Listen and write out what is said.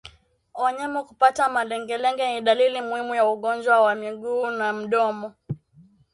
Wanyama kupata malengelenge ni dalili muhimu ya ugonjwa wa miguu na mdomo